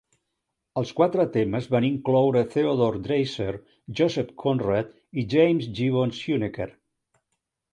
Els quatre temes van incloure Theodore Dreiser, Joseph Conrad i James Gibbons Huneker.